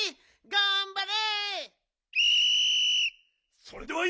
がんばれ！